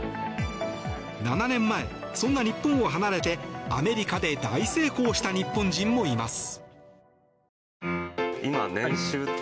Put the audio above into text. ７年前、そんな日本を離れてアメリカで大成功した日本人もいます。